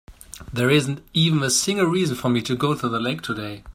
There isn't even a single reason for me to go to the lake today.